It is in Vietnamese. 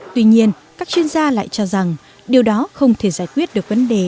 tuy nhiên các chuyên gia lại cho rằng điều đó không thể giải quyết được vấn đề